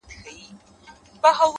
چي محبت يې زړه كي ځاى پـيـدا كـړو ـ